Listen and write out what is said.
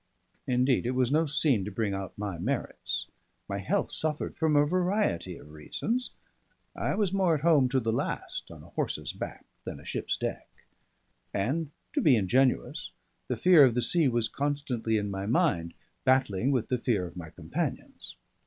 Indeed, it was no scene to bring out my merits. My health suffered from a variety of reasons; I was more at home to the last on a horse's back than a ship's deck; and, to be ingenuous, the fear of the sea was constantly in my mind, battling with the fear of my companions.